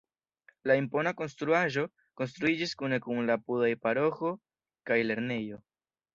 La impona konstruaĵo konstruiĝis kune kun la apudaj paroĥo kaj lernejo.